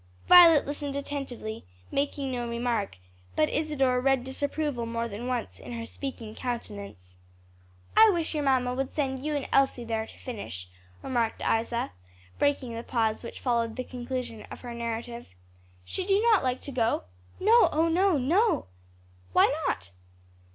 Violet listened attentively, making no remark, but Isadore read disapproval more than once in her speaking countenance. "I wish your mamma would send you and Elsie there to finish," remarked Isa, breaking the pause which followed the conclusion of her narrative. "Should you not like to go?" "No, oh no, no!" "Why not?"